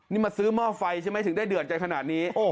นี่มาซื้อหม้อไฟใช่ไหมถึงได้เดือดใจขนาดนี้